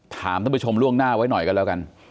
ท่านผู้ชมล่วงหน้าไว้หน่อยกันแล้วกัน